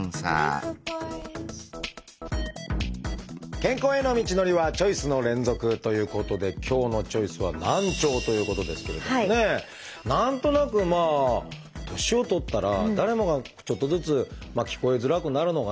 健康への道のりはチョイスの連続！ということで今日の「チョイス」は何となくまあ年を取ったら誰もがちょっとずつ聞こえづらくなるのかな